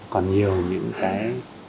còn nhiều những cái